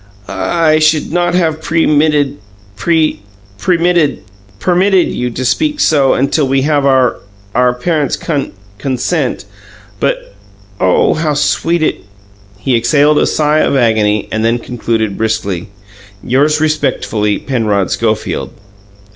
"'I should not have pre premitted permitted you to speak so until we have our our parents' con consent; but oh, how sweet it '" He exhaled a sigh of agony, and then concluded briskly, "'Yours respectfully, Penrod Schofield.'"